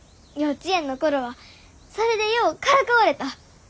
幼稚園の頃はそれでようからかわれた。